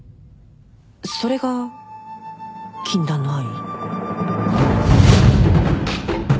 それが禁断の愛？